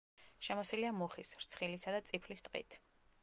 შემოსილია მუხის, რცხილისა და წიფლის ტყით.